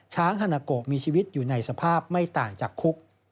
ฮานาโกมีชีวิตอยู่ในสภาพไม่ต่างจากคุก